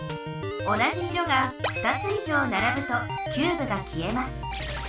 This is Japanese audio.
同じ色が２つ以上ならぶとキューブが消えます。